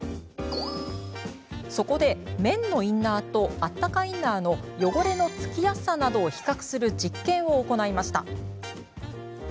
そこで、綿のインナーとあったかインナーの汚れの付きやすさなどを比較する実験を行いました。